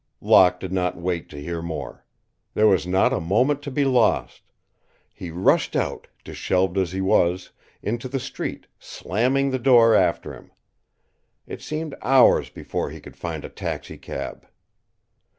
Locke did not wait to hear more. There was not a moment to be lost. He rushed out, disheveled as he was, into the street, slamming the door after him. It seemed hours before he could find a taxicab.